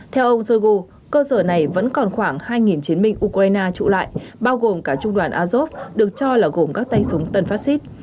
theo ông johigu cơ sở này vẫn còn khoảng hai chiến binh ukraine trụ lại bao gồm cả trung đoàn azov được cho là gồm các tay súng tân phát xít